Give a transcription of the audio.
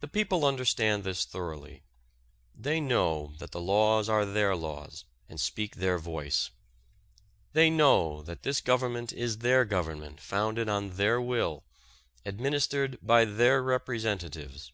The people understand this thoroughly. They know that the laws are their laws and speak their voice. They know that this Government is their Government founded on their will, administered by their representatives.